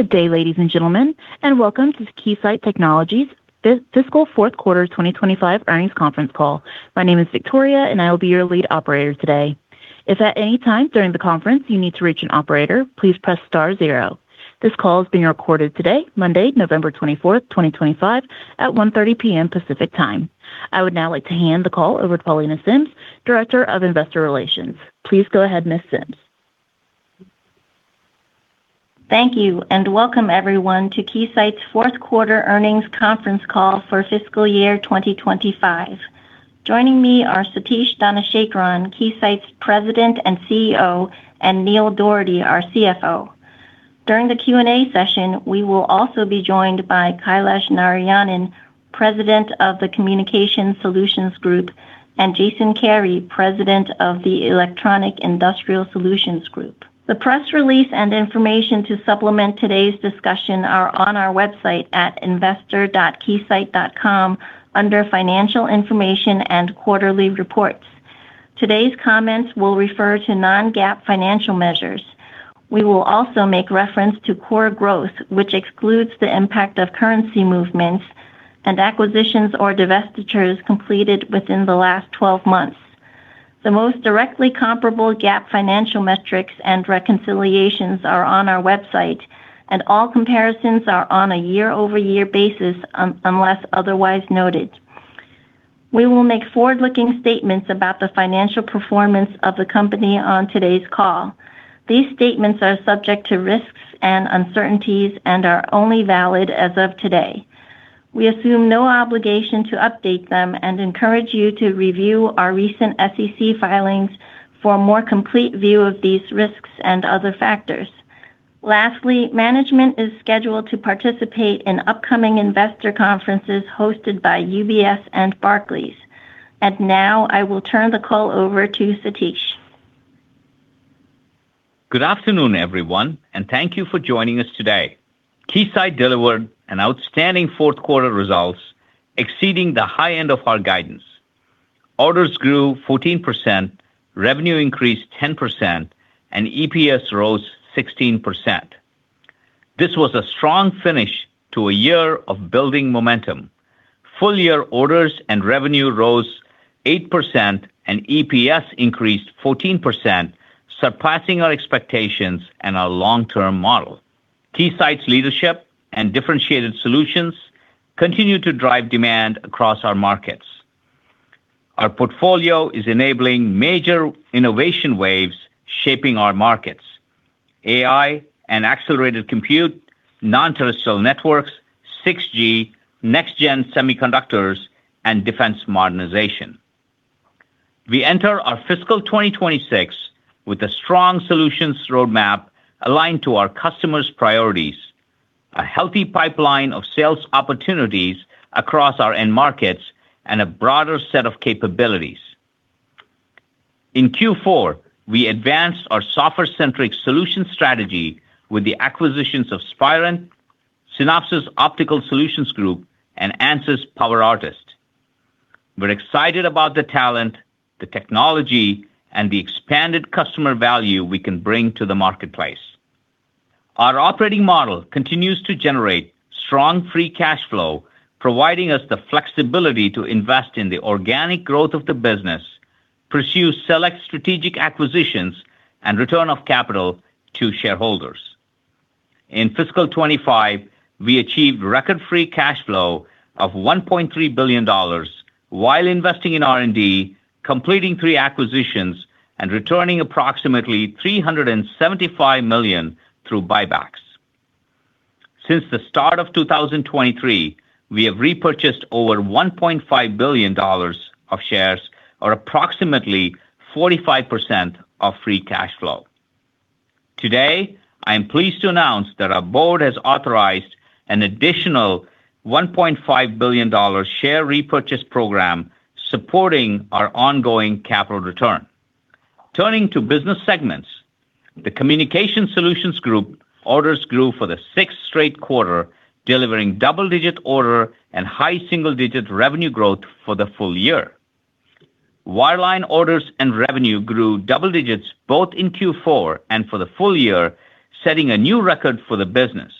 Good day, ladies and gentlemen, and welcome to Keysight Technologies' Fiscal Fourth Quarter 2025 Earnings Conference Call. My name is Victoria, and I will be your lead operator today. If at any time during the conference you need to reach an operator, please press star zero. This call is being recorded today, Monday, November 24th, 2025, at 1:30 P.M. Pacific Time. I would now like to hand the call over to Paulenier Sims, Director of Investor Relations. Please go ahead, Ms. Sims. Thank you, and welcome everyone to Keysight's Fourth Quarter Earnings Conference Call for fiscal year 2025. Joining me are Satish Dhanasekaran, Keysight's President and CEO, and Neil Dougherty, our CFO. During the Q&A session, we will also be joined by Kailash Narayanan, President of the Communication Solutions Group, and Jason Kary, President of the Electronic Industrial Solutions Group. The press release and information to supplement today's discussion are on our website at investor.keysight.com under Financial Information and Quarterly Reports. Today's comments will refer to non-GAAP financial measures. We will also make reference to core growth, which excludes the impact of currency movements and acquisitions or divestitures completed within the last 12 months. The most directly comparable GAAP financial metrics and reconciliations are on our website, and all comparisons are on a year-over-year basis unless otherwise noted. We will make forward-looking statements about the financial performance of the company on today's call. These statements are subject to risks and uncertainties and are only valid as of today. We assume no obligation to update them and encourage you to review our recent SEC filings for a more complete view of these risks and other factors. Lastly, management is scheduled to participate in upcoming investor conferences hosted by UBS and Barclays. I will turn the call over to Satish. Good afternoon, everyone, and thank you for joining us today. Keysight delivered outstanding fourth quarter results, exceeding the high end of our guidance. Orders grew 14%, revenue increased 10%, and EPS rose 16%. This was a strong finish to a year of building momentum. Full year orders and revenue rose 8%, and EPS increased 14%, surpassing our expectations and our long-term model. Keysight's leadership and differentiated solutions continue to drive demand across our markets. Our portfolio is enabling major innovation waves shaping our markets: AI and accelerated compute, non-terrestrial networks, 6G, next-gen semiconductors, and defense modernization. We enter our fiscal 2026 with a strong solutions roadmap aligned to our customers' priorities, a healthy pipeline of sales opportunities across our end markets, and a broader set of capabilities. In Q4, we advanced our software-centric solution strategy with the acquisitions of Spirent, Synopsys' Optical Solutions Group, and Ansys' PowerArtist. We're excited about the talent, the technology, and the expanded customer value we can bring to the marketplace. Our operating model continues to generate strong free cash flow, providing us the flexibility to invest in the organic growth of the business, pursue select strategic acquisitions, and return capital to shareholders. In fiscal 2025, we achieved record free cash flow of $1.3 billion while investing in R&D, completing three acquisitions, and returning approximately $375 million through buybacks. Since the start of 2023, we have repurchased over $1.5 billion of shares, or approximately 45% of free cash flow. Today, I am pleased to announce that our board has authorized an additional $1.5 billion share repurchase program, supporting our ongoing capital return. Turning to business segments, the Communication Solutions Group orders grew for the sixth straight quarter, delivering double-digit order and high single-digit revenue growth for the full year. Wireline orders and revenue grew double digits both in Q4 and for the full year, setting a new record for the business.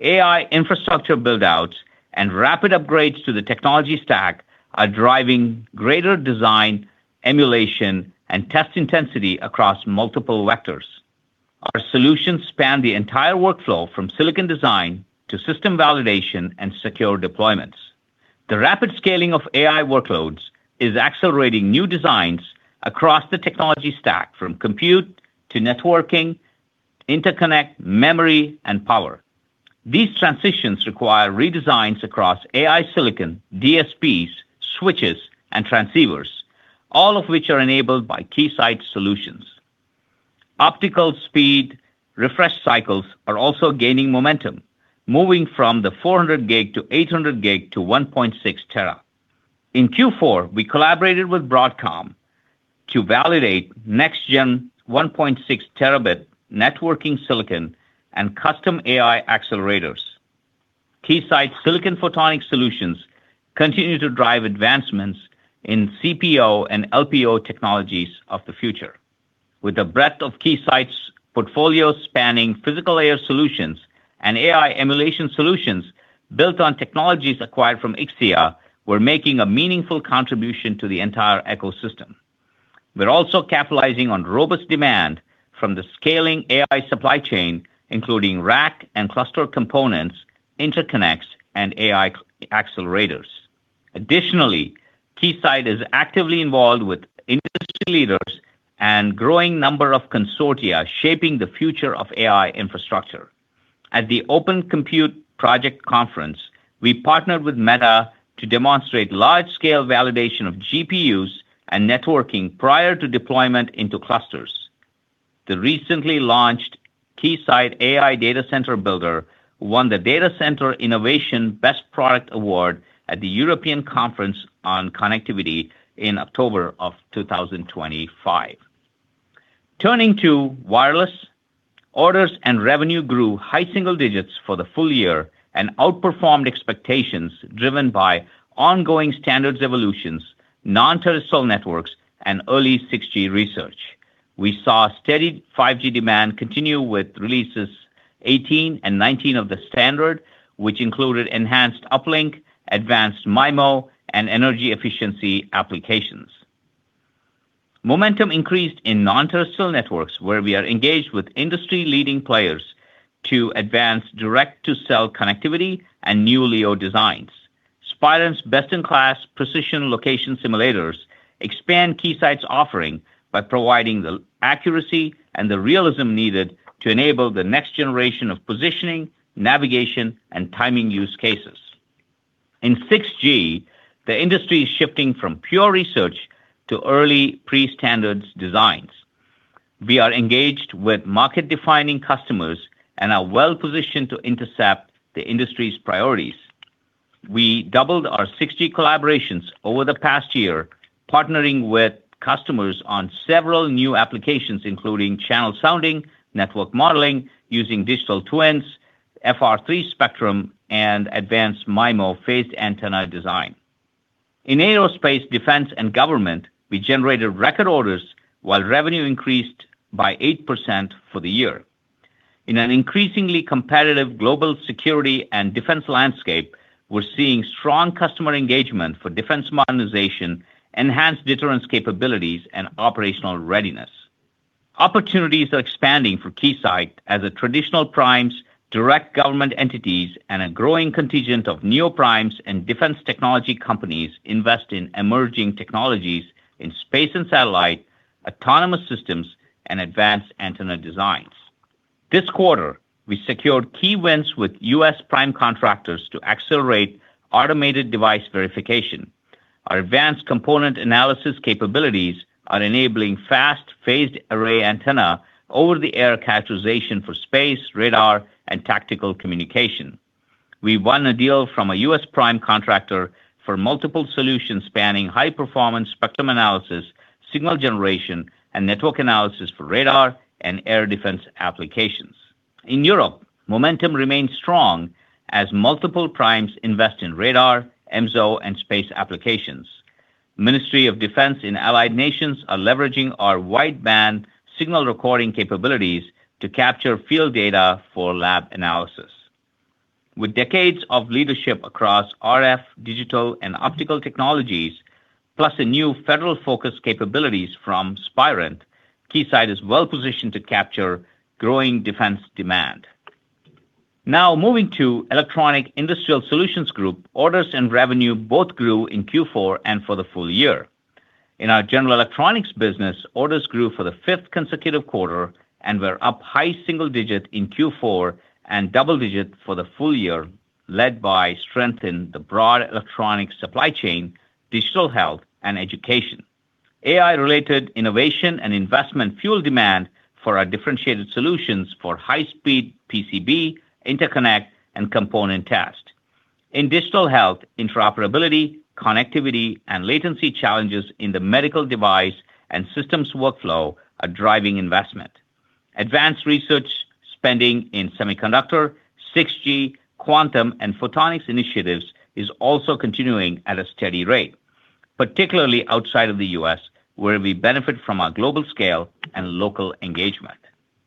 AI infrastructure buildouts and rapid upgrades to the technology stack are driving greater design, emulation, and test intensity across multiple vectors. Our solutions span the entire workflow from silicon design to system validation and secure deployments. The rapid scaling of AI workloads is accelerating new designs across the technology stack from compute to networking, interconnect, memory, and power. These transitions require redesigns across AI silicon, DSPs, switches, and transceivers, all of which are enabled by Keysight Solutions. Optical speed refresh cycles are also gaining momentum, moving from the 400 Gb to 800 Gb to 1.6 tera. In Q4, we collaborated with Broadcom to validate next-gen 1.6 terabit networking silicon and custom AI accelerators. Keysight Silicon Photonics Solutions continue to drive advancements in CPO and LPO technologies of the future. With the breadth of Keysight's portfolio spanning physical layer solutions and AI emulation solutions built on technologies acquired from Ixia, we're making a meaningful contribution to the entire ecosystem. We're also capitalizing on robust demand from the scaling AI supply chain, including rack and cluster components, interconnects, and AI accelerators. Additionally, Keysight is actively involved with industry leaders and a growing number of consortia shaping the future of AI infrastructure. At the Open Compute Project Conference, we partnered with Meta to demonstrate large-scale validation of GPUs and networking prior to deployment into clusters. The recently launched Keysight AI Data Center Builder won the Data Center Innovation Best Product Award at the European Conference on Connectivity in October of 2025. Turning to wireless, orders and revenue grew high single digits for the full year and outperformed expectations, driven by ongoing standards evolutions, non-terrestrial networks, and early 6G research. We saw steady 5G demand continue with releases 18 and 19 of the standard, which included enhanced uplink, advanced MIMO, and energy efficiency applications. Momentum increased in non-terrestrial networks, where we are engaged with industry-leading players to advance direct-to-cell connectivity and new LEO designs. Spirent's best-in-class precision location simulators expand Keysight's offering by providing the accuracy and the realism needed to enable the next generation of positioning, navigation, and timing use cases. In 6G, the industry is shifting from pure research to early pre-standards designs. We are engaged with market-defining customers and are well-positioned to intercept the industry's priorities. We doubled our 6G collaborations over the past year, partnering with customers on several new applications, including channel sounding, network modeling using digital twins, FR3 spectrum, and advanced MIMO phased antenna design. In aerospace, defense, and government, we generated record orders while revenue increased by 8% for the year. In an increasingly competitive global security and defense landscape, we're seeing strong customer engagement for defense modernization, enhanced deterrence capabilities, and operational readiness. Opportunities are expanding for Keysight as traditional primes, direct government entities, and a growing contingent of neoprimes and defense technology companies invest in emerging technologies in space and satellite, autonomous systems, and advanced antenna designs. This quarter, we secured key wins with U.S. prime contractors to accelerate automated device verification. Our advanced component analysis capabilities are enabling fast phased array antenna over-the-air characterization for space, radar, and tactical communication. We won a deal from a U.S. prime contractor for multiple solutions spanning high-performance spectrum analysis, signal generation, and network analysis for radar and air defense applications. In Europe, momentum remains strong as multiple primes invest in radar, EMSO, and space applications. The Ministry of Defense and Allied Nations are leveraging our wide-band signal recording capabilities to capture field data for lab analysis. With decades of leadership across RF, digital, and optical technologies, plus a new federal focus capabilities from Spirent, Keysight is well-positioned to capture growing defense demand. Now moving to Electronic Industrial Solutions Group, orders and revenue both grew in Q4 and for the full year. In our general electronics business, orders grew for the fifth consecutive quarter, and we're up high single digit in Q4 and double digit for the full year, led by strength in the broad electronics supply chain, digital health, and education. AI-related innovation and investment fuel demand for our differentiated solutions for high-speed PCB, interconnect, and component test. In digital health, interoperability, connectivity, and latency challenges in the medical device and systems workflow are driving investment. Advanced research spending in semiconductor, 6G, quantum, and photonics initiatives is also continuing at a steady rate, particularly outside of the U.S., where we benefit from our global scale and local engagement.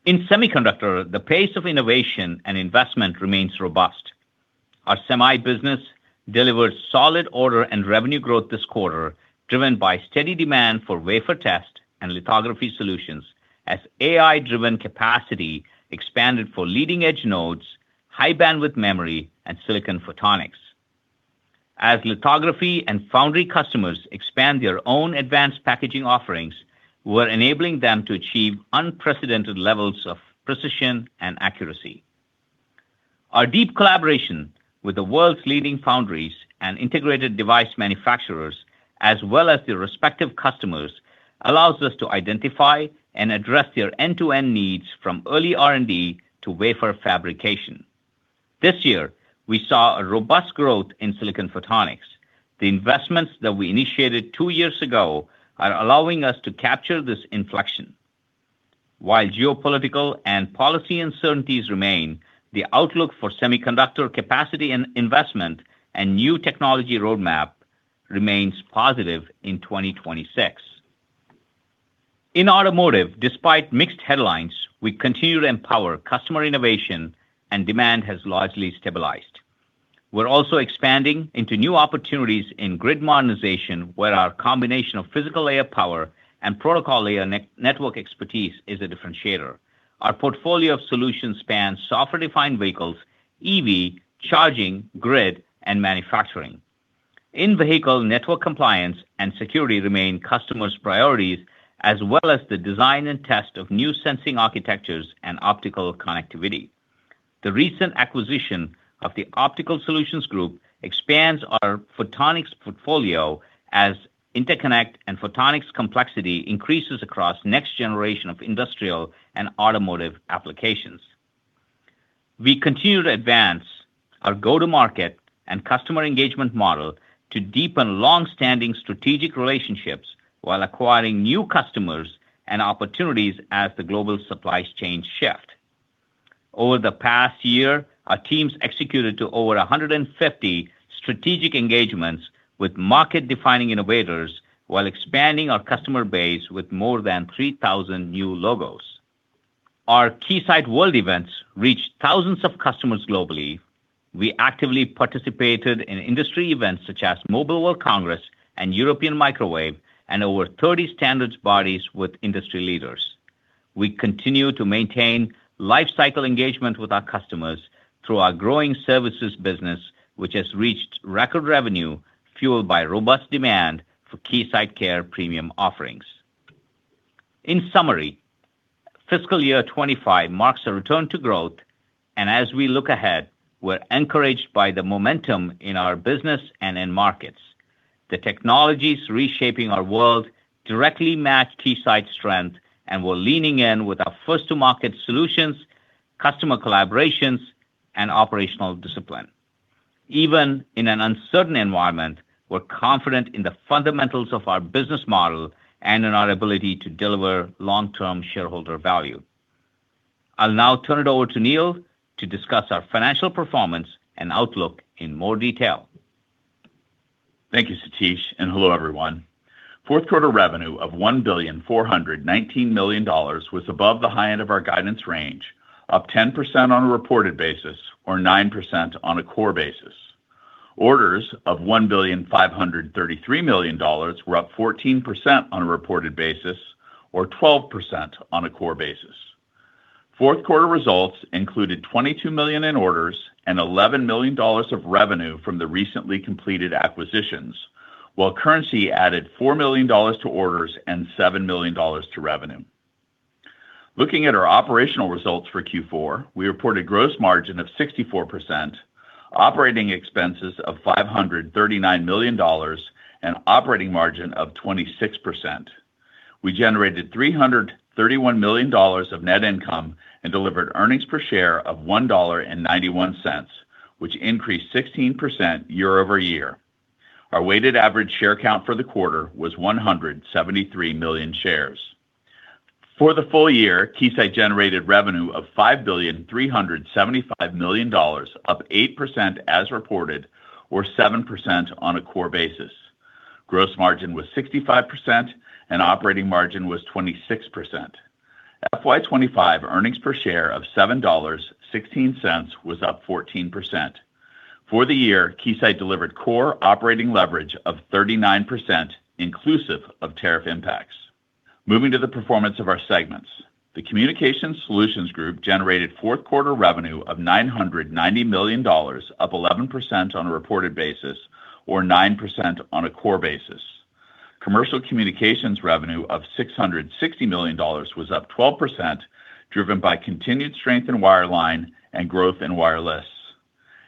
In semiconductor, the pace of innovation and investment remains robust. Our semi business delivered solid order and revenue growth this quarter, driven by steady demand for wafer test and lithography solutions as AI-driven capacity expanded for leading-edge nodes, high-bandwidth memory, and silicon photonics. As lithography and foundry customers expand their own advanced packaging offerings, we're enabling them to achieve unprecedented levels of precision and accuracy. Our deep collaboration with the world's leading foundries and integrated device manufacturers, as well as their respective customers, allows us to identify and address their end-to-end needs from early R&D to wafer fabrication. This year, we saw a robust growth in silicon photonics. The investments that we initiated two years ago are allowing us to capture this inflection. While geopolitical and policy uncertainties remain, the outlook for semiconductor capacity and investment and new technology roadmap remains positive in 2026. In automotive, despite mixed headlines, we continue to empower customer innovation, and demand has largely stabilized. We're also expanding into new opportunities in grid modernization, where our combination of physical layer power and protocol layer network expertise is a differentiator. Our portfolio of solutions spans software-defined vehicles, EV, charging, grid, and manufacturing. In vehicle, network compliance and security remain customers' priorities, as well as the design and test of new sensing architectures and optical connectivity. The recent acquisition of the Optical Solutions Group expands our photonics portfolio as interconnect and photonics complexity increases across next generation of industrial and automotive applications. We continue to advance our go-to-market and customer engagement model to deepen long-standing strategic relationships while acquiring new customers and opportunities as the global supply chain shifts. Over the past year, our teams executed over 150 strategic engagements with market-defining innovators while expanding our customer base with more than 3,000 new logos. Our Keysight World Events reached thousands of customers globally. We actively participated in industry events such as Mobile World Congress and European Microwave and over 30 standards bodies with industry leaders. We continue to maintain lifecycle engagement with our customers through our growing services business, which has reached record revenue fueled by robust demand for Keysight Care premium offerings. In summary, fiscal year 2025 marks a return to growth, and as we look ahead, we're encouraged by the momentum in our business and in markets. The technologies reshaping our world directly match Keysight's strength, and we're leaning in with our first-to-market solutions, customer collaborations, and operational discipline. Even in an uncertain environment, we're confident in the fundamentals of our business model and in our ability to deliver long-term shareholder value. I'll now turn it over to Neil to discuss our financial performance and outlook in more detail. Thank you, Satish, and hello, everyone. Fourth quarter revenue of $1,419 million was above the high end of our guidance range, up 10% on a reported basis or 9% on a core basis. Orders of $1,533 million were up 14% on a reported basis or 12% on a core basis. Fourth quarter results included $22 million in orders and $11 million of revenue from the recently completed acquisitions, while currency added $4 million to orders and $7 million to revenue. Looking at our operational results for Q4, we reported gross margin of 64%, operating expenses of $539 million, and operating margin of 26%. We generated $331 million of net income and delivered earnings per share of $1.91, which increased 16% year-over-year. Our weighted average share count for the quarter was 173 million shares. For the full year, Keysight generated revenue of $5,375 million, up 8% as reported, or 7% on a core basis. Gross margin was 65%, and operating margin was 26%. FY 2025 earnings per share of $7.16 was up 14%. For the year, Keysight delivered core operating leverage of 39%, inclusive of tariff impacts. Moving to the performance of our segments, the Communications Solutions Group generated fourth quarter revenue of $990 million, up 11% on a reported basis, or 9% on a core basis. Commercial communications revenue of $660 million was up 12%, driven by continued strength in wireline and growth in wireless.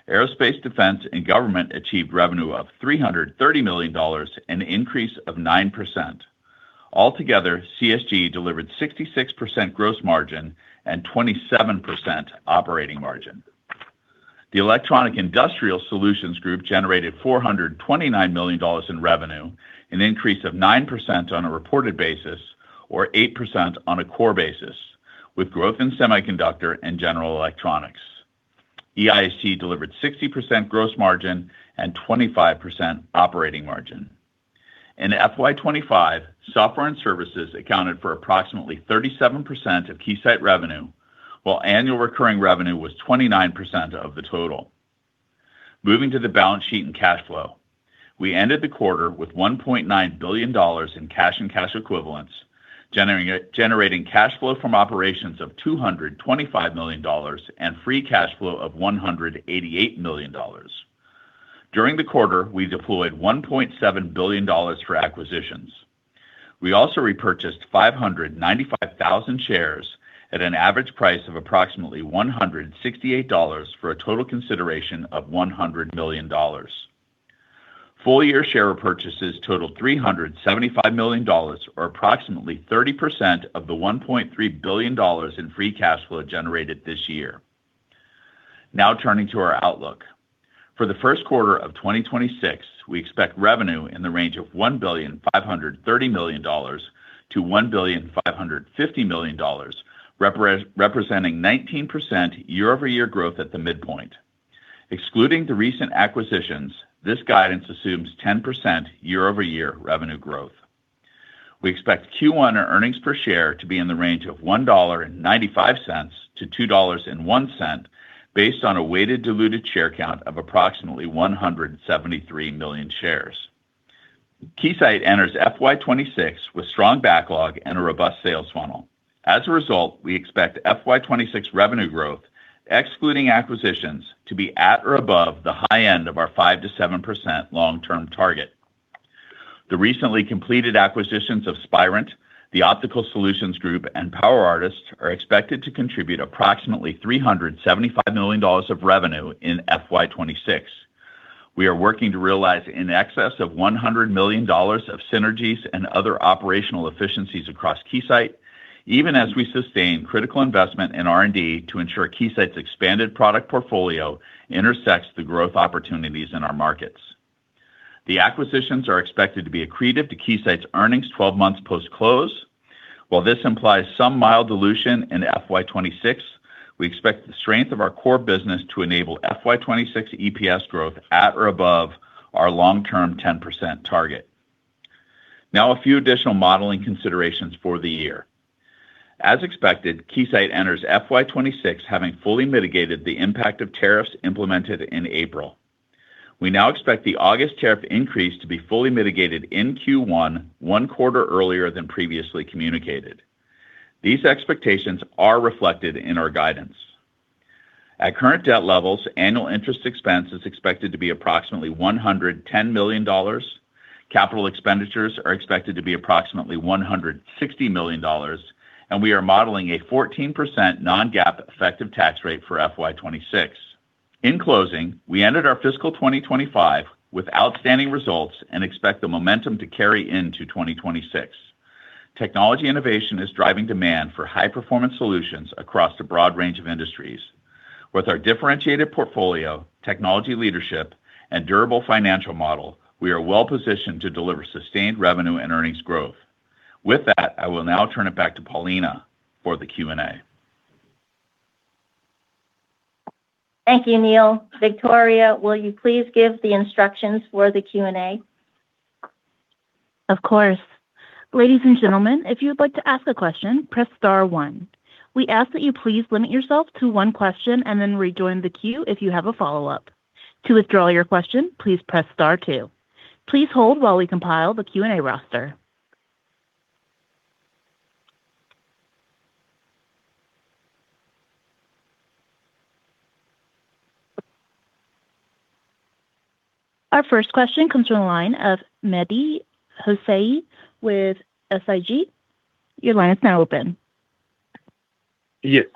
Aerospace, defense, and government achieved revenue of $330 million, an increase of 9%. Altogether, CSG delivered 66% gross margin and 27% operating margin. The Electronic Industrial Solutions Group generated $429 million in revenue, an increase of 9% on a reported basis, or 8% on a core basis, with growth in semiconductor and general electronics. EISG delivered 60% gross margin and 25% operating margin. In FY 2025, software and services accounted for approximately 37% of Keysight revenue, while annual recurring revenue was 29% of the total. Moving to the balance sheet and cash flow, we ended the quarter with $1.9 billion in cash and cash equivalents, generating cash flow from operations of $225 million and free cash flow of $188 million. During the quarter, we deployed $1.7 billion for acquisitions. We also repurchased 595,000 shares at an average price of approximately $168 for a total consideration of $100 million. Full year share purchases totaled $375 million, or approximately 30% of the $1.3 billion in free cash flow generated this year. Now turning to our outlook. For the first quarter of 2026, we expect revenue in the range of $1,530 million-$1,550 million, representing 19% year-over-year growth at the midpoint. Excluding the recent acquisitions, this guidance assumes 10% year-over-year revenue growth. We expect Q1 earnings per share to be in the range of $1.95-$2.01, based on a weighted diluted share count of approximately 173 million shares. Keysight enters FY 2026 with strong backlog and a robust sales funnel. As a result, we expect FY 2026 revenue growth, excluding acquisitions, to be at or above the high end of our 5%-7% long-term target. The recently completed acquisitions of Spirent, the Optical Solutions Group, and PowerArtist are expected to contribute approximately $375 million of revenue in FY 2026. We are working to realize in excess of $100 million of synergies and other operational efficiencies across Keysight, even as we sustain critical investment in R&D to ensure Keysight's expanded product portfolio intersects the growth opportunities in our markets. The acquisitions are expected to be accretive to Keysight's earnings 12 months post-close. While this implies some mild dilution in FY 2026, we expect the strength of our core business to enable FY 2026 EPS growth at or above our long-term 10% target. Now a few additional modeling considerations for the year. As expected, Keysight enters FY 2026 having fully mitigated the impact of tariffs implemented in April. We now expect the August tariff increase to be fully mitigated in Q1, one quarter earlier than previously communicated. These expectations are reflected in our guidance. At current debt levels, annual interest expense is expected to be approximately $110 million. Capital expenditures are expected to be approximately $160 million, and we are modeling a 14% non-GAAP effective tax rate for FY 2026. In closing, we ended our fiscal 2025 with outstanding results and expect the momentum to carry into 2026. Technology innovation is driving demand for high-performance solutions across a broad range of industries. With our differentiated portfolio, technology leadership, and durable financial model, we are well-positioned to deliver sustained revenue and earnings growth. With that, I will now turn it back to Paulenier for the Q&A. Thank you, Neil. Victoria, will you please give the instructions for the Q&A? Of course. Ladies and gentlemen, if you would like to ask a question, press star one. We ask that you please limit yourself to one question and then rejoin the queue if you have a follow-up. To withdraw your question, please press star two. Please hold while we compile the Q&A roster. Our first question comes from the line of Mehdi Hosseini with SIG. Your line is now open. Yes,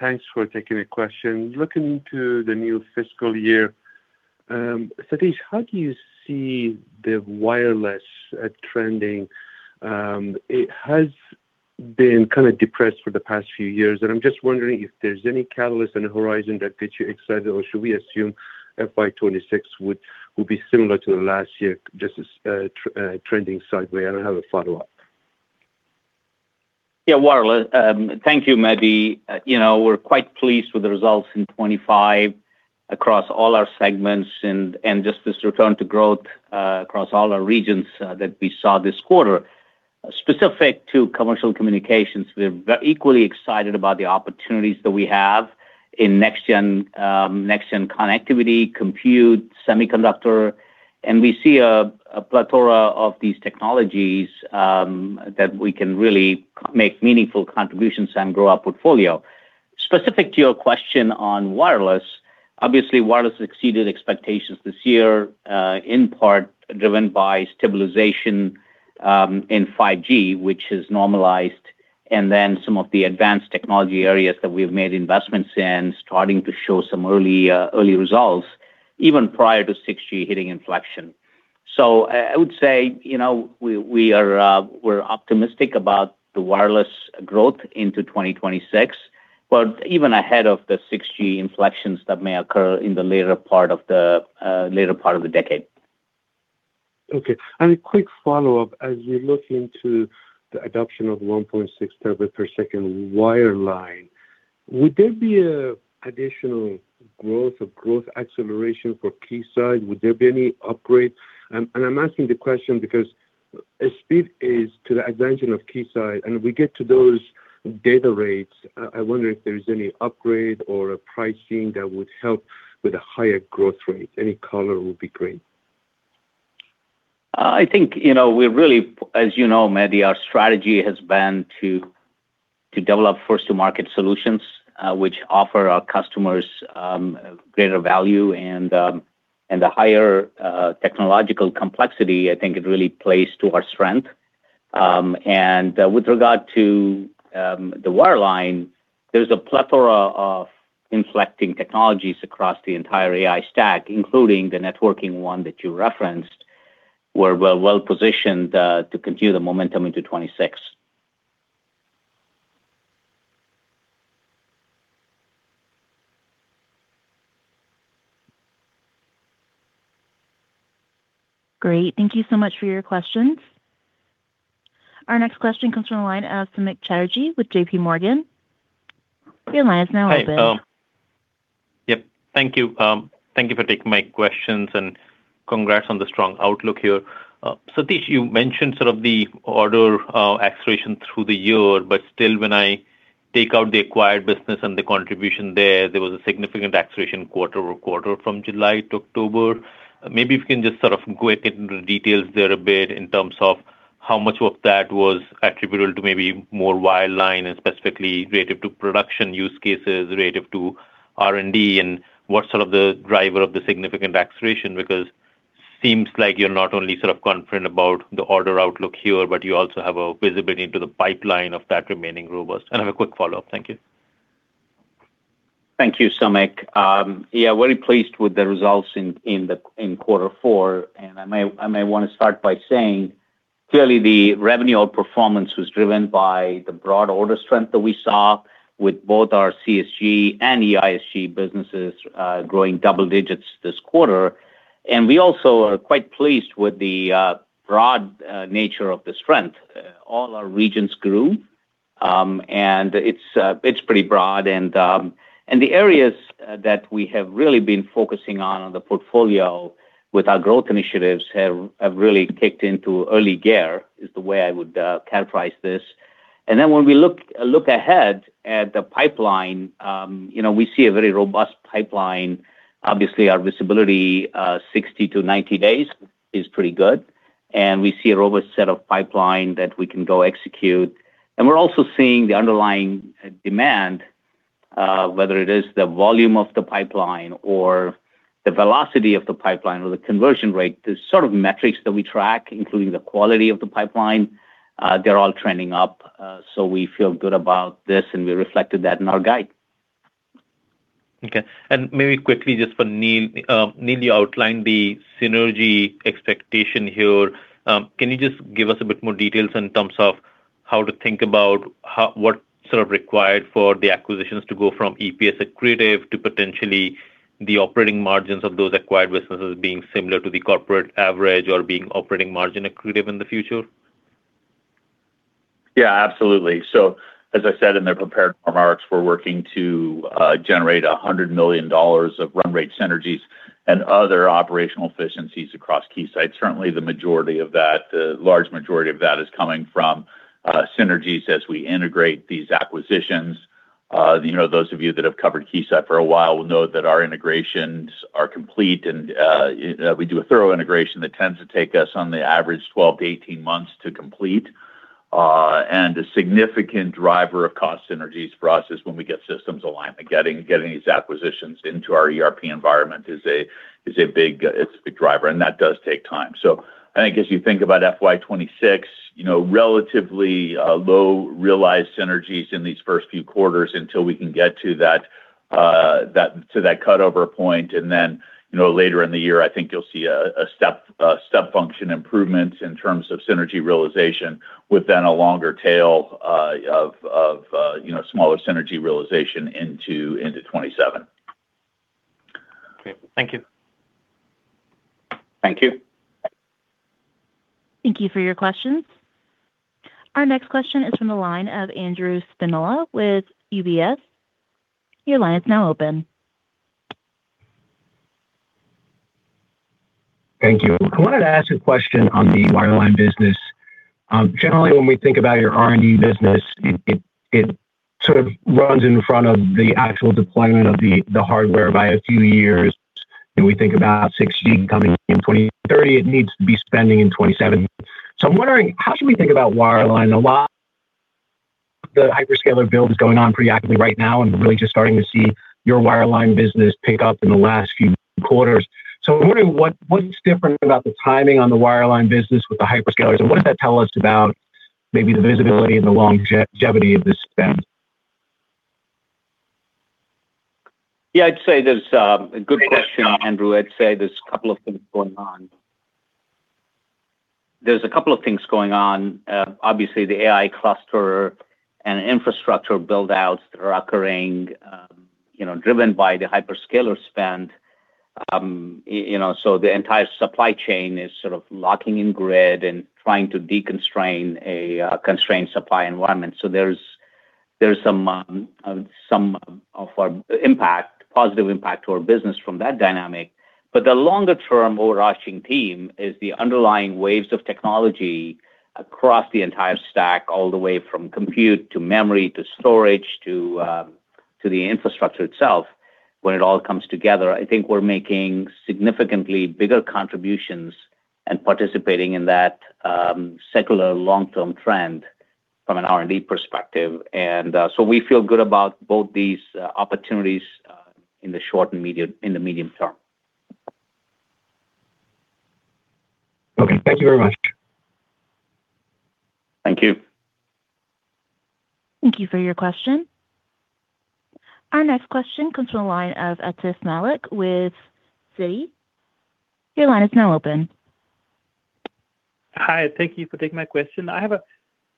thanks for taking the question. Looking to the new fiscal year, Satish, how do you see the wireless trending? It has been kind of depressed for the past few years, and I'm just wondering if there's any catalyst on the horizon that gets you excited, or should we assume FY 2026 would be similar to the last year, just trending sideways? I don't have a follow-up. Yeah, wireless. Thank you, Mehdi. We're quite pleased with the results in 2025 across all our segments and just this return to growth across all our regions that we saw this quarter. Specific to commercial communications, we're equally excited about the opportunities that we have in next-gen connectivity, compute, semiconductor, and we see a plethora of these technologies that we can really make meaningful contributions and grow our portfolio. Specific to your question on wireless, obviously, wireless exceeded expectations this year, in part driven by stabilization in 5G, which has normalized, and then some of the advanced technology areas that we've made investments in starting to show some early results, even prior to 6G hitting inflection. I would say we're optimistic about the wireless growth into 2026, but even ahead of the 6G inflections that may occur in the later part of the decade. Okay. A quick follow-up. As you look into the adoption of 1.6 Terabit per second wireline, would there be an additional growth or growth acceleration for Keysight? Would there be any upgrade? I'm asking the question because speed is to the advention of Keysight, and we get to those data rates. I wonder if there's any upgrade or a pricing that would help with a higher growth rate. Any color would be great. I think we really, as you know, Mehdi, our strategy has been to develop first-to-market solutions which offer our customers greater value, and the higher technological complexity, I think, it really plays to our strength. With regard to the wireline, there's a plethora of inflecting technologies across the entire AI stack, including the networking one that you referenced, where we're well-positioned to continue the momentum into 2026. Great. Thank you so much for your questions. Our next question comes from the line of Samik Chatterjee with JPMorgan. Your line is now open. Hi, Sam. Yep. Thank you. Thank you for taking my questions, and congrats on the strong outlook here. Satish, you mentioned sort of the order acceleration through the year, but still, when I take out the acquired business and the contribution there, there was a significant acceleration quarter over quarter from July to October. Maybe if you can just sort of go into the details there a bit in terms of how much of that was attributable to maybe more wireline and specifically related to production use cases, related to R&D, and what's sort of the driver of the significant acceleration, because it seems like you're not only sort of confident about the order outlook here, but you also have a visibility into the pipeline of that remaining robust. I have a quick follow-up. Thank you. Thank you, Samik. Yeah, very pleased with the results in quarter four. I may want to start by saying, clearly, the revenue outperformance was driven by the broad order strength that we saw with both our CSG and EISG businesses growing double digits this quarter. We also are quite pleased with the broad nature of the strength. All our regions grew, and it's pretty broad. The areas that we have really been focusing on in the portfolio with our growth initiatives have really kicked into early gear, is the way I would characterize this. When we look ahead at the pipeline, we see a very robust pipeline. Obviously, our visibility, 60-90 days, is pretty good. We see a robust set of pipeline that we can go execute. We're also seeing the underlying demand, whether it is the volume of the pipeline or the velocity of the pipeline or the conversion rate, the sort of metrics that we track, including the quality of the pipeline, they're all trending up. We feel good about this, and we reflected that in our guide. Okay. Maybe quickly, just for Neil. Neil, you outlined the synergy expectation here. Can you just give us a bit more details in terms of how to think about what's sort of required for the acquisitions to go from EPS accretive to potentially the operating margins of those acquired businesses being similar to the corporate average or being operating margin accretive in the future? Yeah, absolutely. As I said in the prepared remarks, we're working to generate $100 million of run rate synergies and other operational efficiencies across Keysight. Certainly, the majority of that, the large majority of that, is coming from synergies as we integrate these acquisitions. Those of you that have covered Keysight for a while will know that our integrations are complete, and we do a thorough integration that tends to take us, on the average, 12-18 months to complete. A significant driver of cost synergies for us is when we get systems alignment. Getting these acquisitions into our ERP environment is a big driver, and that does take time. I think as you think about FY 2026, relatively low realized synergies in these first few quarters until we can get to that cutover point. Later in the year, I think you'll see a step function improvement in terms of synergy realization with then a longer tail of smaller synergy realization into 2027. Okay. Thank you. Thank you. Thank you for your questions. Our next question is from the line of Andrew Spinola with UBS. Your line is now open. Thank you. I wanted to ask a question on the wireline business. Generally, when we think about your R&D business, it sort of runs in front of the actual deployment of the hardware by a few years. We think about 6G coming in 2030, it needs to be spending in 2027. I'm wondering, how should we think about wireline? A lot of the hyperscaler build is going on pretty actively right now and really just starting to see your wireline business pick up in the last few quarters. I'm wondering what's different about the timing on the wireline business with the hyperscalers, and what does that tell us about maybe the visibility and the longevity of this spend? Yeah, I'd say that's a good question, Andrew. I'd say there's a couple of things going on. There's a couple of things going on. Obviously, the AI cluster and infrastructure buildouts that are occurring driven by the hyperscaler spend. The entire supply chain is sort of locking in grid and trying to deconstrain a constrained supply environment. There's some of our impact, positive impact to our business from that dynamic. The longer-term overarching theme is the underlying waves of technology across the entire stack, all the way from compute to memory to storage to the infrastructure itself. When it all comes together, I think we're making significantly bigger contributions and participating in that secular long-term trend from an R&D perspective. We feel good about both these opportunities in the short and medium term. Okay. Thank you very much. Thank you. Thank you for your question. Our next question comes from the line of Atif Malik with Citi. Your line is now open. Hi. Thank you for taking my question. I have a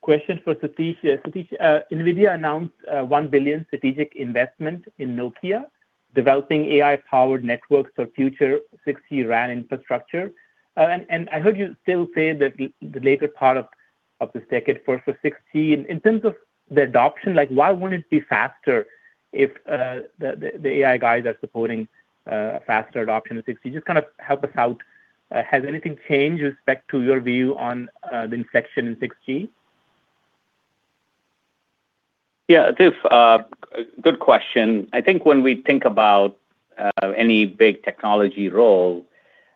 question for Satish. Satish, NVIDIA announced $1 billion strategic investment in Nokia developing AI-powered networks for future 6G RAN infrastructure. I heard you still say that the later part of this decade for 6G. In terms of the adoption, why would not it be faster if the AI guys are supporting faster adoption of 6G? Just kind of help us out. Has anything changed with respect to your view on the inflection in 6G? Yeah, good question. I think when we think about any big technology role,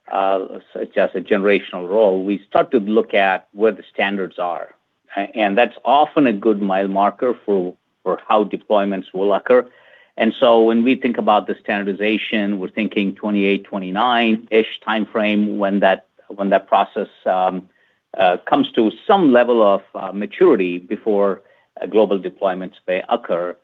such as a generational role, we start to look at where the standards are. That is often a good mile marker for how deployments will occur. When we think about the standardization, we're thinking 2028, 2029-ish timeframe when that process comes to some level of maturity before global deployments may occur.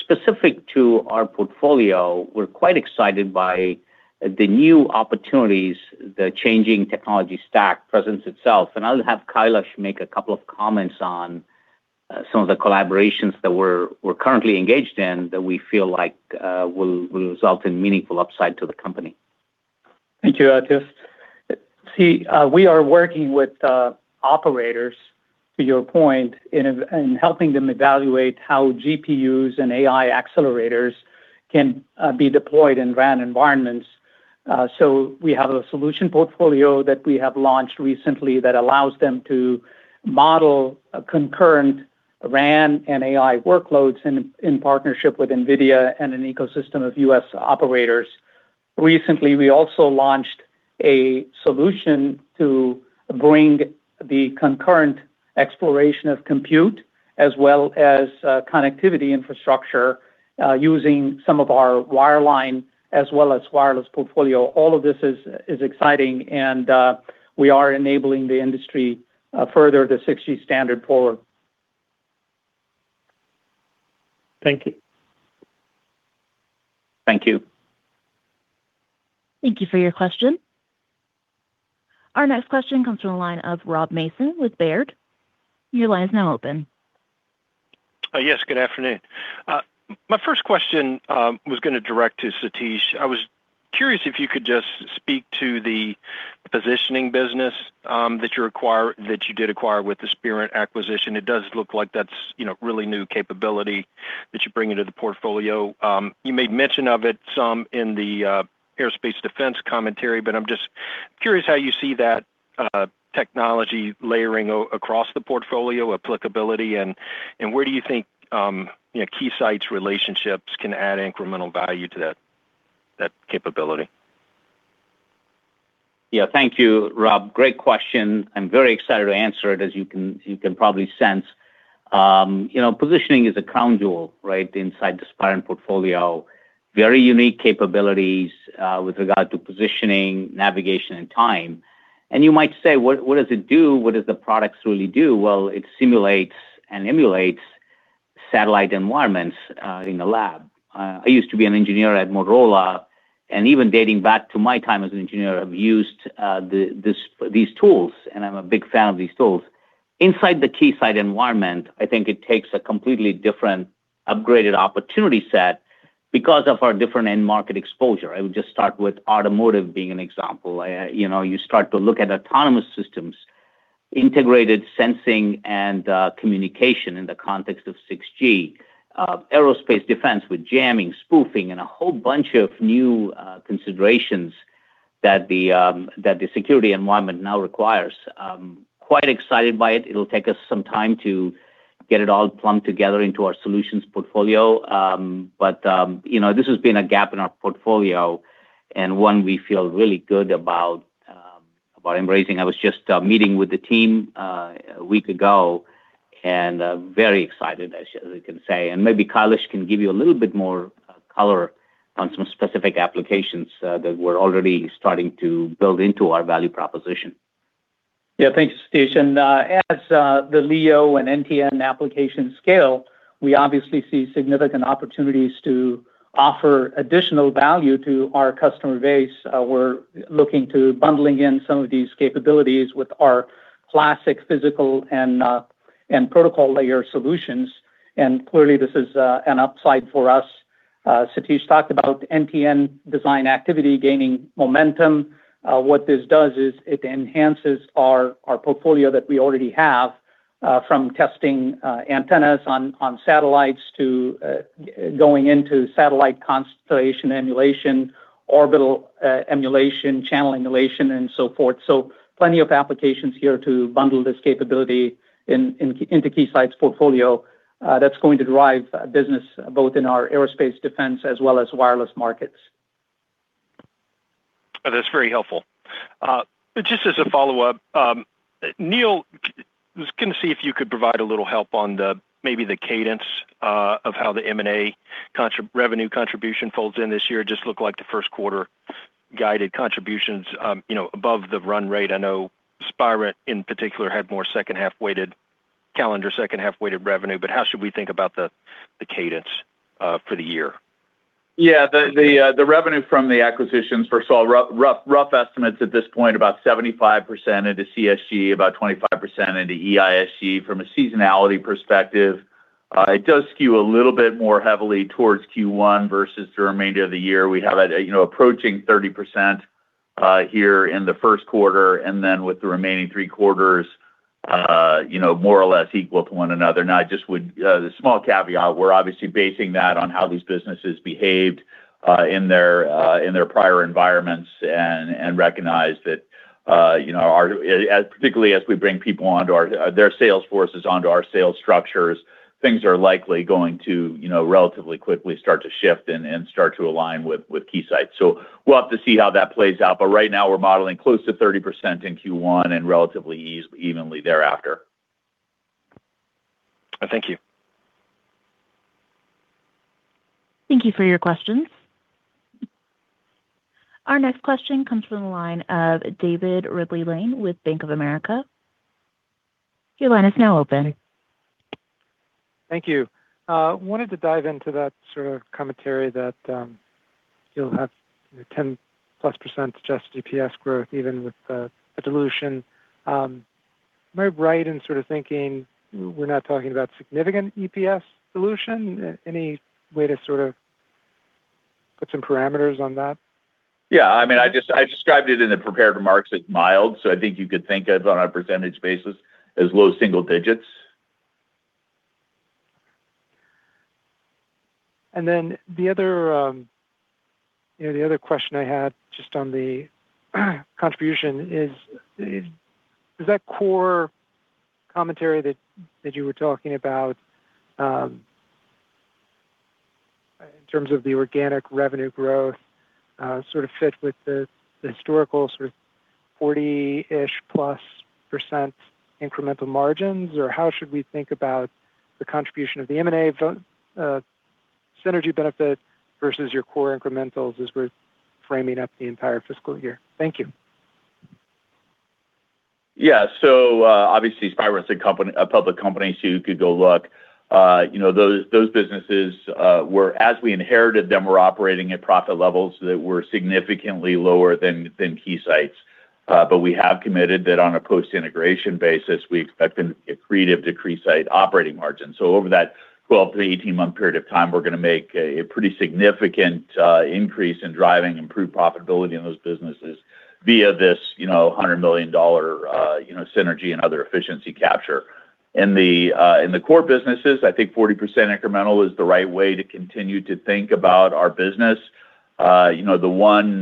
Specific to our portfolio, we're quite excited by the new opportunities the changing technology stack presents itself. I'll have Kailash make a couple of comments on some of the collaborations that we're currently engaged in that we feel like will result in meaningful upside to the company. Thank you, Atif. We are working with operators, to your point, in helping them evaluate how GPUs and AI accelerators can be deployed in RAN environments. We have a solution portfolio that we have launched recently that allows them to model concurrent RAN and AI workloads in partnership with NVIDIA and an ecosystem of U.S. operators. Recently, we also launched a solution to bring the concurrent exploration of compute as well as connectivity infrastructure using some of our wireline as well as wireless portfolio. All of this is exciting, and we are enabling the industry further the 6G standard forward. Thank you. Thank you. Thank you for your question. Our next question comes from the line of Rob Mason with Baird. Your line is now open. Yes, good afternoon. My first question was going to direct to Satish. I was curious if you could just speak to the positioning business that you did acquire with the Spirent acquisition. It does look like that's really new capability that you're bringing to the portfolio. You made mention of it some in the aerospace defense commentary, but I'm just curious how you see that technology layering across the portfolio applicability, and where do you think Keysight's relationships can add incremental value to that capability? Yeah, thank you, Rob. Great question. I'm very excited to answer it, as you can probably sense. Positioning is a crown jewel, right, inside the Spirent portfolio. Very unique capabilities with regard to positioning, navigation, and time. You might say, "What does it do? What does the product really do?" It simulates and emulates satellite environments in a lab. I used to be an engineer at Motorola, and even dating back to my time as an engineer, I've used these tools, and I'm a big fan of these tools. Inside the Keysight environment, I think it takes a completely different upgraded opportunity set because of our different end market exposure. I would just start with automotive being an example. You start to look at autonomous systems, integrated sensing and communication in the context of 6G, aerospace defense with jamming, spoofing, and a whole bunch of new considerations that the security environment now requires. Quite excited by it. It'll take us some time to get it all plumbed together into our solutions portfolio. This has been a gap in our portfolio and one we feel really good about embracing. I was just meeting with the team a week ago and very excited, as I can say. Maybe Kailash can give you a little bit more color on some specific applications that we're already starting to build into our value proposition. Yeah, thank you, Satish. As the LEO and NTN applications scale, we obviously see significant opportunities to offer additional value to our customer base. We're looking to bundle in some of these capabilities with our classic physical and protocol layer solutions. Clearly, this is an upside for us. Satish talked about NTN design activity gaining momentum. What this does is it enhances our portfolio that we already have, from testing antennas on satellites to going into satellite constellation emulation, orbital emulation, channel emulation, and so forth. Plenty of applications here to bundle this capability into Keysight's portfolio that's going to drive business both in our aerospace defense as well as wireless markets. That's very helpful. Just as a follow-up, Neil, I was going to see if you could provide a little help on maybe the cadence of how the M&A revenue contribution folds in this year. It just looked like the first quarter guided contributions above the run rate. I know Spirent, in particular, had more second-half-weighted calendar second-half-weighted revenue. How should we think about the cadence for the year? Yeah, the revenue from the acquisitions for rough estimates at this point, about 75% into CSG, about 25% into EISG from a seasonality perspective. It does skew a little bit more heavily towards Q1 versus the remainder of the year. We have approaching 30% here in the first quarter, and then with the remaining three quarters, more or less equal to one another. Now, just with the small caveat, we're obviously basing that on how these businesses behaved in their prior environments and recognize that, particularly as we bring people onto our their sales forces onto our sales structures, things are likely going to relatively quickly start to shift and start to align with Keysight. We'll have to see how that plays out. Right now, we're modeling close to 30% in Q1 and relatively evenly thereafter. Thank you. Thank you for your questions. Our next question comes from the line of David Ridley-Lane with Bank of America. Your line is now open. Thank you. Wanted to dive into that sort of commentary that you'll have 10+% just EPS growth, even with the dilution. Am I right in sort of thinking we're not talking about significant EPS dilution? Any way to sort of put some parameters on that? Yeah. I mean, I described it in the prepared remarks as mild. I think you could think of, on a percentage basis, as low single digits. The other question I had just on the contribution is, does that core commentary that you were talking about in terms of the organic revenue growth sort of fit with the historical sort of 40+% incremental margins? Or how should we think about the contribution of the M&A synergy benefit versus your core incrementals as we're framing up the entire fiscal year? Thank you. Yeah. Obviously, Spirent's a public company, so you could go look. Those businesses, as we inherited them, were operating at profit levels that were significantly lower than Keysight's. We have committed that on a post-integration basis, we expect a creative decrease in operating margins. Over that 12-18 month period of time, we're going to make a pretty significant increase in driving improved profitability in those businesses via this $100 million synergy and other efficiency capture. In the core businesses, I think 40% incremental is the right way to continue to think about our business. The one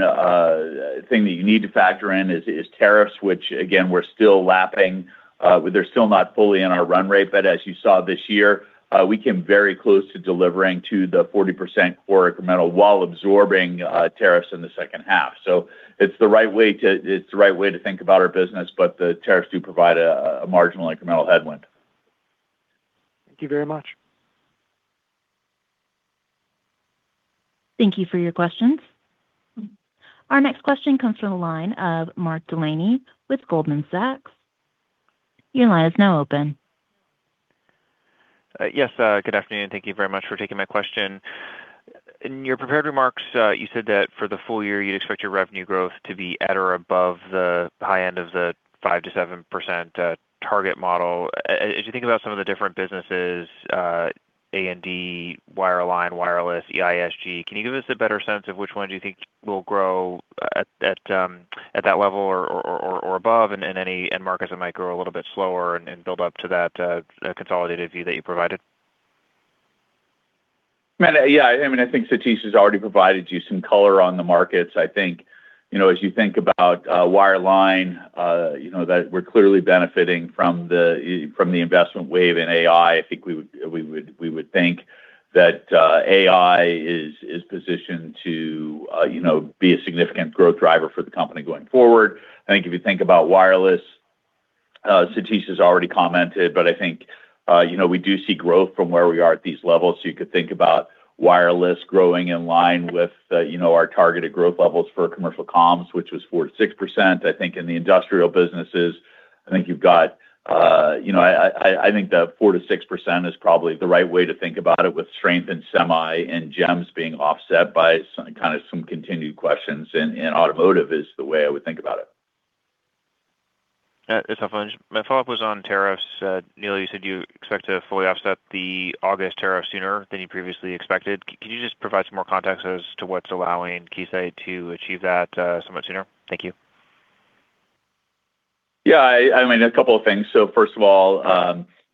thing that you need to factor in is tariffs, which, again, we're still lapping. They're still not fully in our run rate. As you saw this year, we came very close to delivering to the 40% core incremental while absorbing tariffs in the second half. It is the right way to think about our business, but the tariffs do provide a marginal incremental headwind. Thank you very much. Thank you for your questions. Our next question comes from the line of Mark Delaney with Goldman Sachs. Your line is now open. Yes, good afternoon. Thank you very much for taking my question. In your prepared remarks, you said that for the full year, you'd expect your revenue growth to be at or above the high end of the 5%-7% target model. As you think about some of the different businesses: A&D, Wireline, Wireless, EISG, can you give us a better sense of which one do you think will grow at that level or above? Any markers that might grow a little bit slower and build up to that consolidated view that you provided? Yeah. I mean, I think Satish has already provided you some color on the markets. I think as you think about Wireline, that we're clearly benefiting from the investment wave in AI. I think we would think that AI is positioned to be a significant growth driver for the company going forward. I think if you think about wireless, Satish has already commented, but I think we do see growth from where we are at these levels. You could think about wireless growing in line with our targeted growth levels for commercial comms, which was 4%-6%. I think in the industrial businesses, I think you've got, I think the 4%-6% is probably the right way to think about it with strength in semi and gems being offset by kind of some continued questions. Automotive is the way I would think about it. Yeah, it's a fun. My follow-up was on tariffs. Neil, you said you expect to fully offset the August tariff sooner than you previously expected. Can you just provide some more context as to what's allowing Keysight to achieve that somewhat sooner? Thank you. Yeah. I mean, a couple of things. First of all,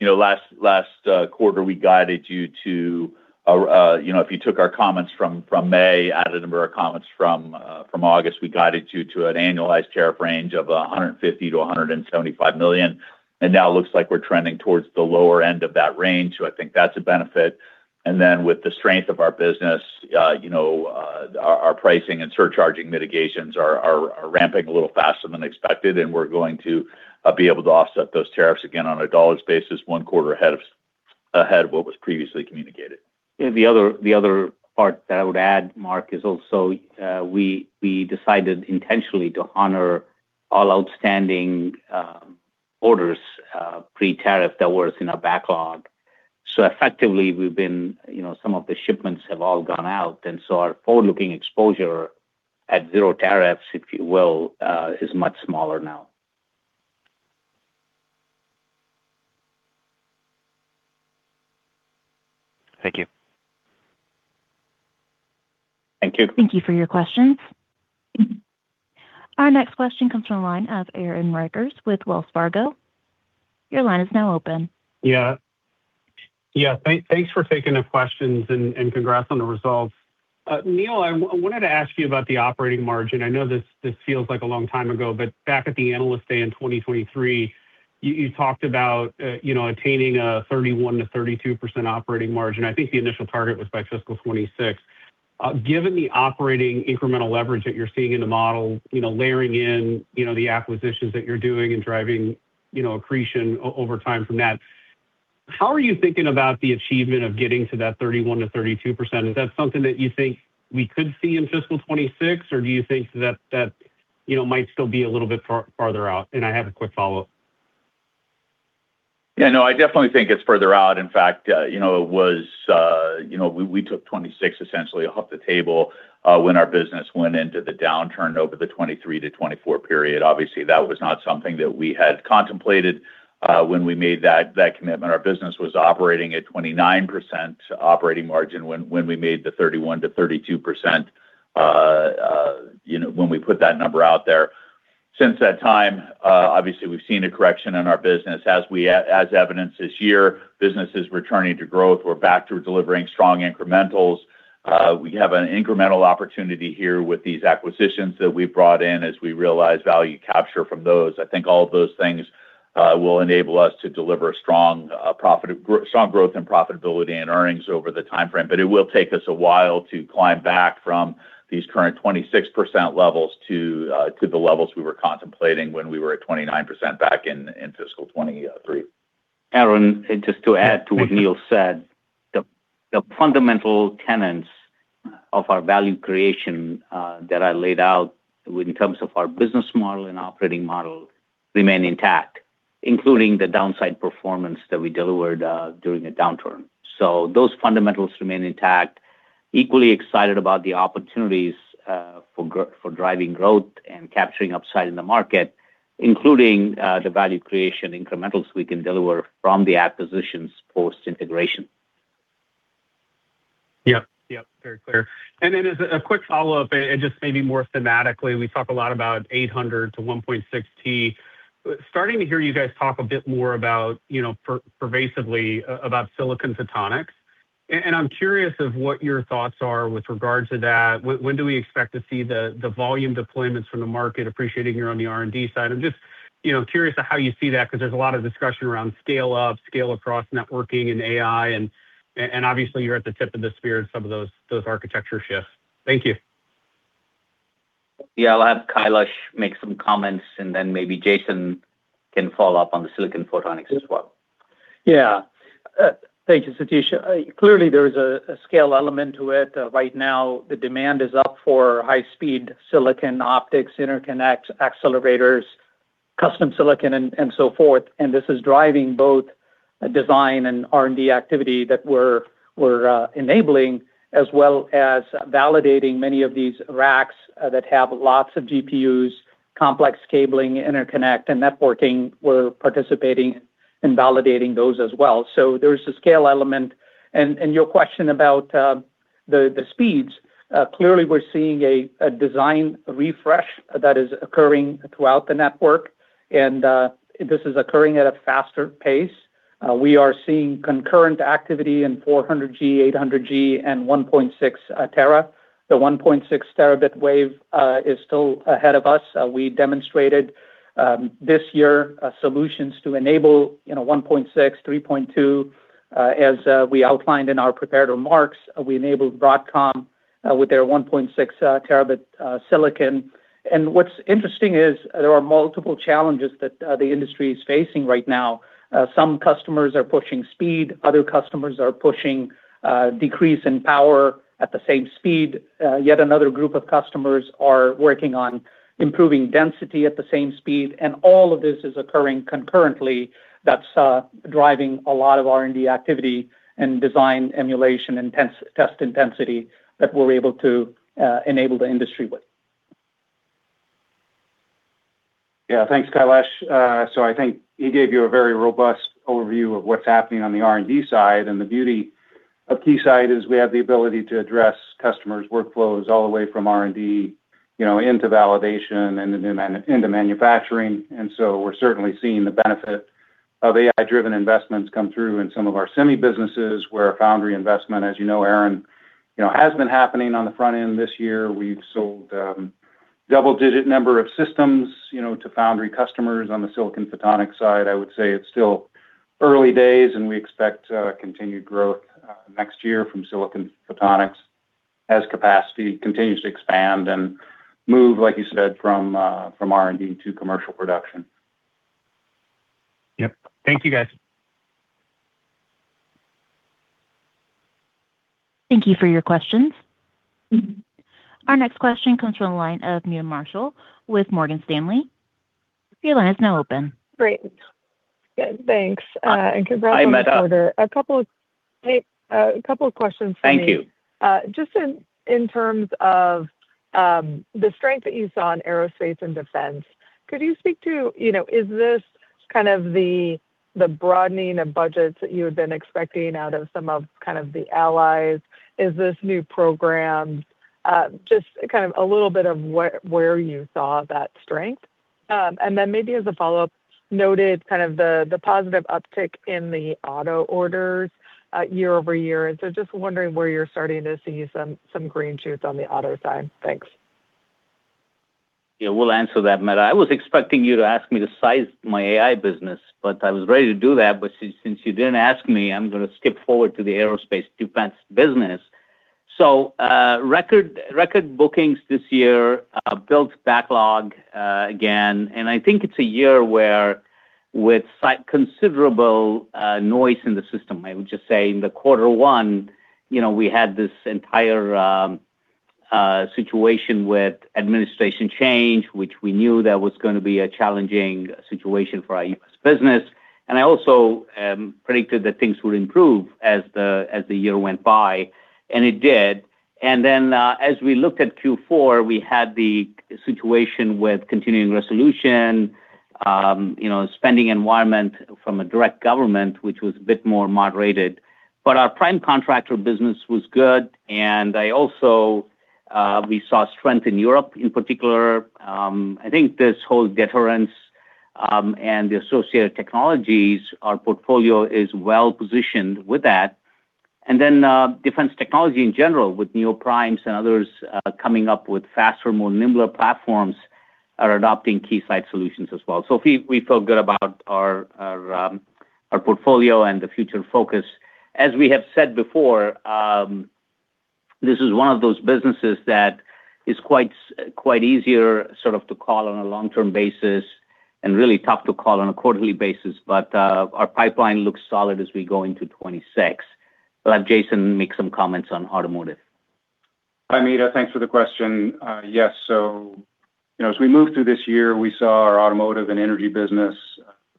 last quarter, we guided you to if you took our comments from May, added a number of comments from August, we guided you to an annualized tariff range of $150 million-$175 million. Now it looks like we're trending towards the lower end of that range. I think that's a benefit. With the strength of our business, our pricing and surcharging mitigations are ramping a little faster than expected, and we're going to be able to offset those tariffs again on a dollars basis one quarter ahead of what was previously communicated. The other part that I would add, Mark, is also we decided intentionally to honor all outstanding orders pre-tariff that were in our backlog. Effectively, some of the shipments have all gone out. Our forward-looking exposure at zero tariffs, if you will, is much smaller now. Thank you. Thank you. Thank you for your questions. Our next question comes from the line of Aaron Rakers with Wells Fargo. Your line is now open. Yeah. Yeah. Thanks for taking the questions and congrats on the results. Neil, I wanted to ask you about the operating margin. I know this feels like a long time ago, but back at the analyst day in 2023, you talked about attaining a 31%-32% operating margin. I think the initial target was by fiscal 2026. Given the operating incremental leverage that you're seeing in the model, layering in the acquisitions that you're doing and driving accretion over time from that, how are you thinking about the achievement of getting to that 31%-32%? Is that something that you think we could see in fiscal 2026, or do you think that that might still be a little bit farther out? I have a quick follow-up. Yeah. No, I definitely think it's further out. In fact, we took 2026 essentially off the table when our business went into the downturn over the 2023 to 2024 period. Obviously, that was not something that we had contemplated when we made that commitment. Our business was operating at 29% operating margin when we made the 31%-32% when we put that number out there. Since that time, obviously, we've seen a correction in our business. As evidenced this year, business is returning to growth. We're back to delivering strong incrementals. We have an incremental opportunity here with these acquisitions that we've brought in as we realize value capture from those. I think all of those things will enable us to deliver strong growth and profitability and earnings over the timeframe. It will take us a while to climb back from these current 26% levels to the levels we were contemplating when we were at 29% back in fiscal 2023. Aaron, just to add to what Neil said, the fundamental tenets of our value creation that I laid out in terms of our business model and operating model remain intact, including the downside performance that we delivered during the downturn. Those fundamentals remain intact. Equally excited about the opportunities for driving growth and capturing upside in the market, including the value creation incrementals we can deliver from the acquisitions post-integration. Yep. Yep. Very clear. As a quick follow-up, and just maybe more thematically, we talk a lot about 800 Gb to 1.6T. Starting to hear you guys talk a bit more pervasively about Silicon Photonics. I'm curious of what your thoughts are with regard to that. When do we expect to see the volume deployments from the market appreciating on the R&D side? I'm just curious of how you see that because there's a lot of discussion around scale-up, scale-across networking, and AI. Obviously, you're at the tip of the spear in some of those architecture shifts. Thank you. I'll have Kailash make some comments, and then maybe Jason can follow up on the Silicon Photonics as well. Thank you, Satish. Clearly, there is a scale element to it. Right now, the demand is up for high-speed silicon optics, interconnect accelerators, custom silicon, and so forth. This is driving both design and R&D activity that we're enabling, as well as validating many of these racks that have lots of GPUs, complex cabling, interconnect, and networking. We're participating in validating those as well. There is a scale element. Your question about the speeds, clearly, we're seeing a design refresh that is occurring throughout the network. This is occurring at a faster pace. We are seeing concurrent activity in 400 Gb, 800 Gb, and 1.6 tera. The 1.6 terabit wave is still ahead of us. We demonstrated this year solutions to enable 1.6, 3.2, as we outlined in our prepared remarks. We enabled Broadcom with their 1.6 terabit silicon. What's interesting is there are multiple challenges that the industry is facing right now. Some customers are pushing speed. Other customers are pushing decrease in power at the same speed. Yet another group of customers are working on improving density at the same speed. All of this is occurring concurrently. That's driving a lot of R&D activity and design emulation and test intensity that we're able to enable the industry with. Yeah. Thanks, Kailash. I think he gave you a very robust overview of what's happening on the R&D side. The beauty of Keysight is we have the ability to address customers' workflows all the way from R&D into validation and into manufacturing. We're certainly seeing the benefit of AI-driven investments come through in some of our semi businesses where foundry investment, as you know, Aaron, has been happening on the front end this year. We've sold a double-digit number of systems to foundry customers on the Silicon Photonics side. I would say it's still early days, and we expect continued growth next year from Silicon Photonics as capacity continues to expand and move, like you said, from R&D to commercial production. Yep. Thank you, guys. Thank you for your questions. Our next question comes from the line of Meta Marshall with Morgan Stanley. Your line is now open. Great. Thanks. And congrats on the order. I met up. A couple of questions for you. Thank you. Just in terms of the strength that you saw in aerospace and defense, could you speak to is this kind of the broadening of budgets that you had been expecting out of some of kind of the allies? Is this new program just kind of a little bit of where you saw that strength? And then maybe as a follow-up, noted kind of the positive uptick in the auto orders year-over-year. Just wondering where you're starting to see some green shoots on the auto side. Thanks. Yeah. We'll answer that, Meta. I was expecting you to ask me to size my AI business, but I was ready to do that. Since you didn't ask me, I'm going to skip forward to the aerospace defense business. Record bookings this year, built backlog again. I think it's a year where with considerable noise in the system, I would just say in quarter one, we had this entire situation with administration change, which we knew was going to be a challenging situation for our U.S. business. I also predicted that things would improve as the year went by. It did. As we looked at Q4, we had the situation with continuing resolution, spending environment from a direct government, which was a bit more moderated. Our prime contractor business was good. We saw strength in Europe, in particular. I think this whole deterrence and the associated technologies, our portfolio is well positioned with that. Defense technology in general, with Neoprime and others coming up with faster, more nimble platforms, are adopting Keysight solutions as well. We feel good about our portfolio and the future focus. As we have said before, this is one of those businesses that is quite easier sort of to call on a long-term basis and really tough to call on a quarterly basis. Our pipeline looks solid as we go into 2026. We'll have Jason make some comments on automotive. Hi, Meta. Thanks for the question. Yes. As we moved through this year, we saw our automotive and energy business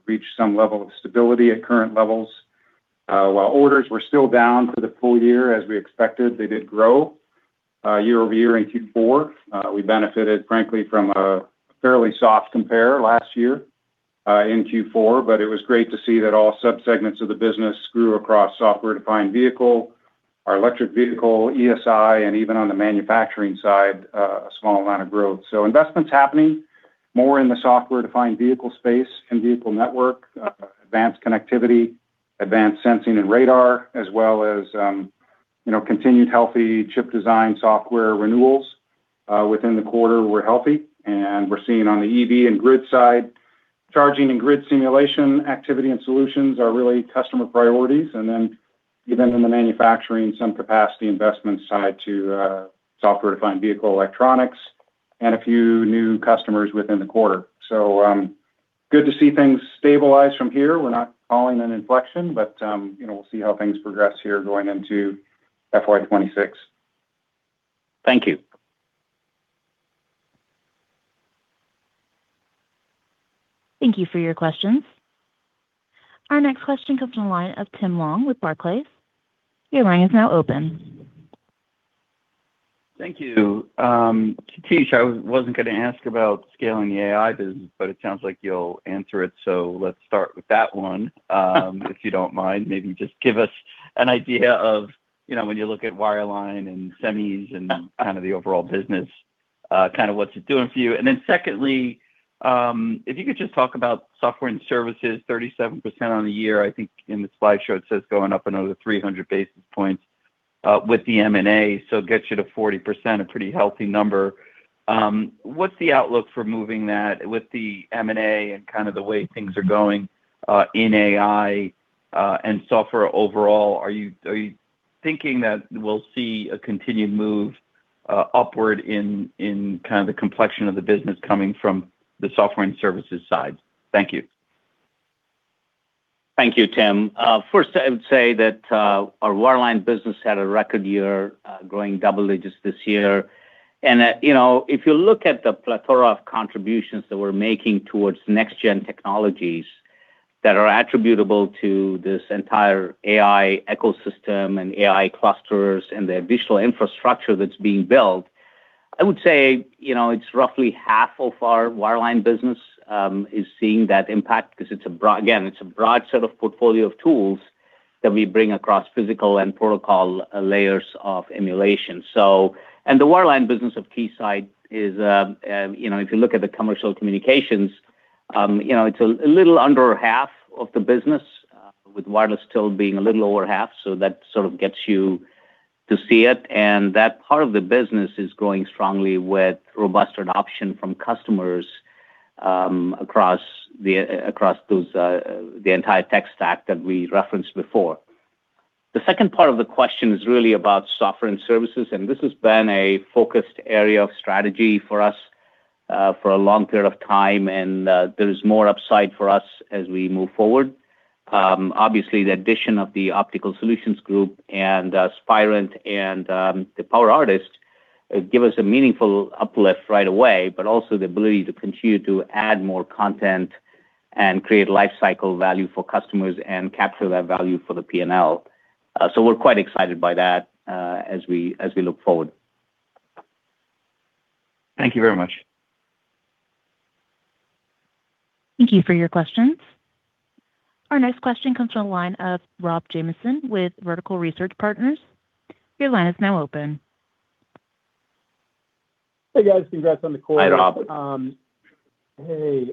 reach some level of stability at current levels. While orders were still down for the full year, as we expected, they did grow year-over-year in Q4. We benefited, frankly, from a fairly soft compare last year in Q4. It was great to see that all subsegments of the business grew across software-defined vehicle, our electric vehicle, ESI, and even on the manufacturing side, a small amount of growth. Investments are happening more in the software-defined vehicle space and vehicle network, advanced connectivity, advanced sensing and radar, as well as continued healthy chip design software renewals within the quarter. We are seeing on the EV and grid side, charging and grid simulation activity and solutions are really customer priorities. Then even in the manufacturing, some capacity investment side to software-defined vehicle electronics and a few new customers within the quarter. Good to see things stabilize from here. We're not calling an inflection, but we'll see how things progress here going into FY 2026. Thank you. Thank you for your questions. Our next question comes from the line of Tim Long with Barclays. Your line is now open. Thank you. Satish, I wasn't going to ask about scaling the AI business, but it sounds like you'll answer it. Let's start with that one. If you don't mind, maybe just give us an idea of when you look at wireline and semis and kind of the overall business, kind of what's it doing for you. Secondly, if you could just talk about software and services, 37% on the year. I think in the slideshow, it says going up another 300 basis points with the M&A. So it gets you to 40%, a pretty healthy number. What's the outlook for moving that with the M&A and kind of the way things are going in AI and software overall? Are you thinking that we'll see a continued move upward in kind of the complexion of the business coming from the software and services side? Thank you. Thank you, Tim. First, I would say that our wireline business had a record year growing double digits this year. If you look at the plethora of contributions that we're making towards next-gen technologies that are attributable to this entire AI ecosystem and AI clusters and the additional infrastructure that's being built, I would say it's roughly half of our wireline business is seeing that impact because, again, it's a broad set of portfolio of tools that we bring across physical and protocol layers of emulation. The wireline business of Keysight is, if you look at the commercial communications, it's a little under half of the business with wireless still being a little over half. That sort of gets you to see it. That part of the business is growing strongly with robust adoption from customers across the entire tech stack that we referenced before. The second part of the question is really about software and services. This has been a focused area of strategy for us for a long period of time. There is more upside for us as we move forward. Obviously, the addition of the Optical Solutions Group and Spirent and the PowerArtist give us a meaningful uplift right away, but also the ability to continue to add more content and create lifecycle value for customers and capture that value for the P&L. We are quite excited by that as we look forward. Thank you very much. Thank you for your questions. Our next question comes from the line of Rob Jamieson with Vertical Research Partners. Your line is now open. Hey, guys. Congrats on the quarter. Hi, Rob. Hey.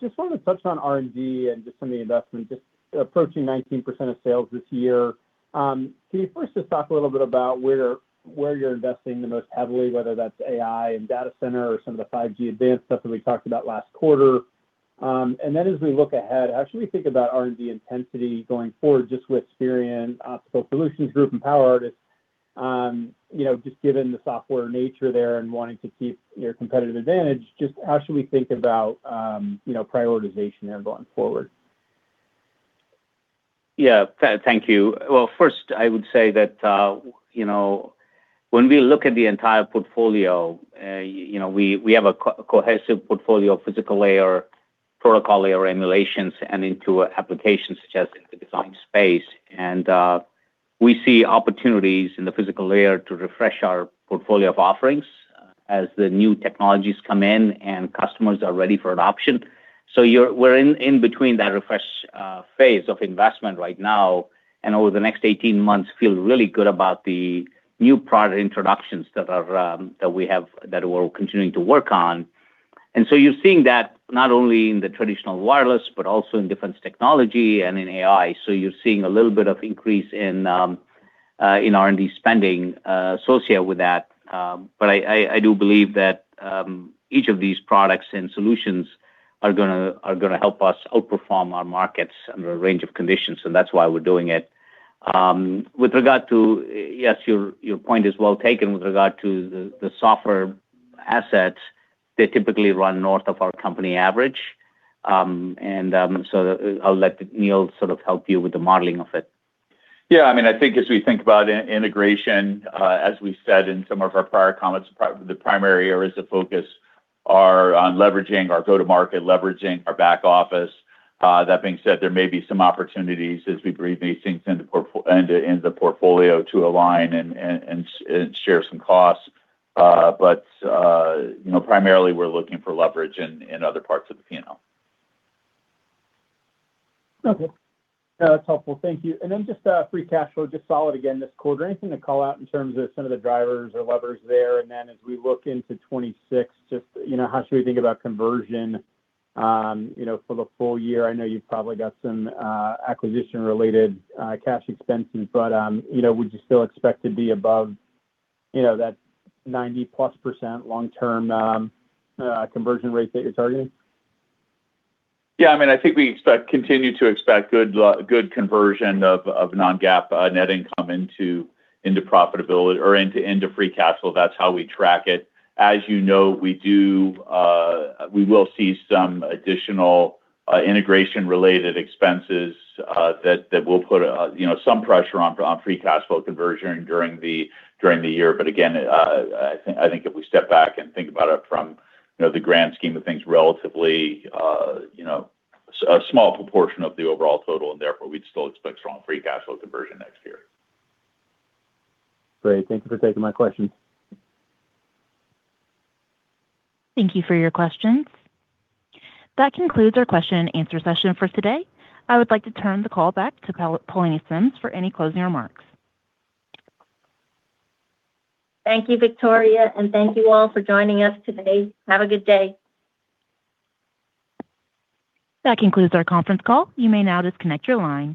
Just wanted to touch on R&D and just some of the investment, just approaching 19% of sales this year. Can you first just talk a little bit about where you're investing the most heavily, whether that's AI and data center or some of the 5G advanced stuff that we talked about last quarter? As we look ahead, how should we think about R&D intensity going forward just with Spirent, Optical Solutions Group, and PowerArtist? Just given the software nature there and wanting to keep your competitive advantage, just how should we think about prioritization there going forward? Thank you. First, I would say that when we look at the entire portfolio, we have a cohesive portfolio of physical layer, protocol layer emulations, and into applications such as the design space. We see opportunities in the physical layer to refresh our portfolio of offerings as the new technologies come in and customers are ready for adoption. We're in between that refresh phase of investment right now. Over the next 18 months, feel really good about the new product introductions that we have that we're continuing to work on. You're seeing that not only in the traditional wireless, but also in defense technology and in AI. You're seeing a little bit of increase in R&D spending associated with that. I do believe that each of these products and solutions are going to help us outperform our markets under a range of conditions. That's why we're doing it. Your point is well taken with regard to the software assets. They typically run north of our company average. I'll let Neil sort of help you with the modeling of it. Yeah. I mean, I think as we think about integration, as we said in some of our prior comments, the primary areas of focus are on leveraging our go-to-market, leveraging our back office. That being said, there may be some opportunities as we breathe these things into the portfolio to align and share some costs. Primarily, we're looking for leverage in other parts of the P&L. Okay. That's helpful. Thank you. Just free cash flow, just solid again this quarter. Anything to call out in terms of some of the drivers or levers there? As we look into 2026, just how should we think about conversion for the full year? I know you've probably got some acquisition-related cash expenses, but would you still expect to be above that 90+% long-term conversion rate that you're targeting? Yeah. I mean, I think we continue to expect good conversion of non-GAAP net income into profitability or into free cash flow. That is how we track it. As you know, we will see some additional integration-related expenses that will put some pressure on free cash flow conversion during the year. Again, I think if we step back and think about it from the grand scheme of things, relatively a small proportion of the overall total, and therefore, we would still expect strong free cash flow conversion next year. Great. Thank you for taking my questions. Thank you for your questions. That concludes our question and answer session for today. I would like to turn the call back to Paulenier Sims for any closing remarks. Thank you, Victoria. And thank you all for joining us today. Have a good day. That concludes our conference call. You may now disconnect your line.